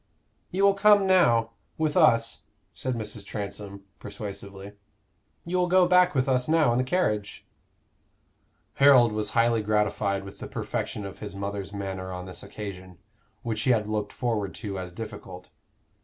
"You will come now with us," said Mrs. Transome, persuasively. "You will go back with us now in the carriage." Harold was highly gratified with the perfection of his mother's manner on this occasion, which he had looked forward to as difficult.